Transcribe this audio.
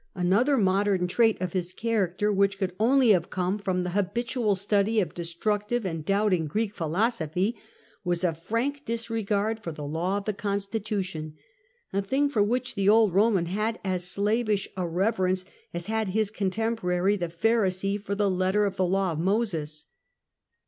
Another modern trait in his character, which could only have come from the habitual study of destftictive and doubting Greek philosophy, was a frank disregard for the law of the con stitution — a thing for which the old Roman had as slavish a reverence as had his contemporary the Pharisee for the letter of the law of Moses.